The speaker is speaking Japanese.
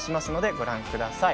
ご覧ください。